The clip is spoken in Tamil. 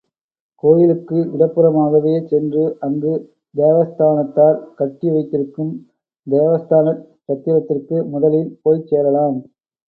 கோயிலுக்கு இடப்புறமாகவே சென்று, அங்கு தேவஸ்தானத்தார் கட்டி வைத்திருக்கும் தேவஸ்தானச் சத்திரத்திற்கு முதலில் போய்ச் சேரலாம்.